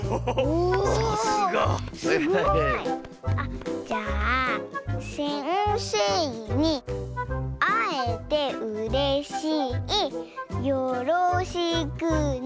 おすごい！あっじゃあ「せんせいにあえてうれしいよろしくね！」。